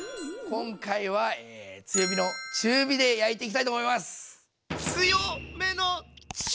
今回はで焼いていきたいと思います。